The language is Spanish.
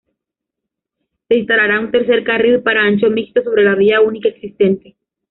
Se instalará un tercer carril para ancho mixto sobre la vía única existente.